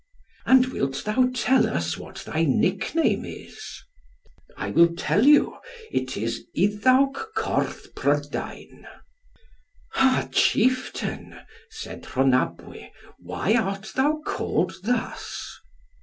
"And wilt thou tell us what thy nickname is?" "I will tell you; it is Iddawc Cordd Prydain." "Ha, chieftain," said Rhonabwy, "why art thou called thus?"